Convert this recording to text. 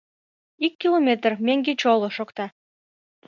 — Ик километр — меҥге чоло, — шокта.